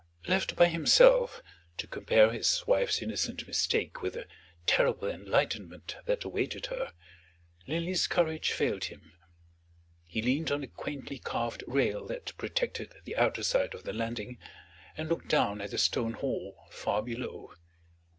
Left by himself, to compare his wife's innocent mistake with the terrible enlightenment that awaited her, Linley's courage failed him. He leaned on the quaintly carved rail that protected the outer side of the landing, and looked down at the stone hall far below.